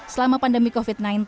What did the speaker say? selama pandemi covid sembilan belas